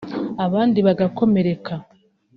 abandi bagakomereka